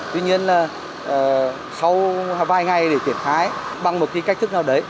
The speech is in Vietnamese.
tuy nhiên là sau vài ngày để tiền khái bằng một cái cách thức nào đấy